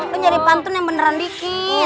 aku nyari pantun yang beneran dikit